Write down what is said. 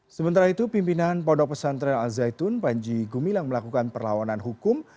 sementara itu pimpinan pondok pesantren al zaitun panji gumilang melakukan perlawanan hukum